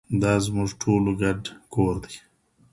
دا زموږ ټولو ګډ کور دی.